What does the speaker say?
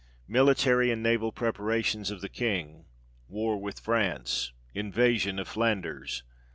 Military and Naval preparations of the King. War with France. Invasion of Flanders.